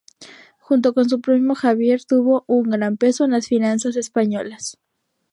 Junto con su primo Javier, tuvo un gran peso en las finanzas españolas.